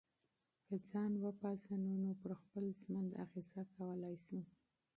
که ځان وپېژنو نو پر خپل ژوند اغېزه کولای سو.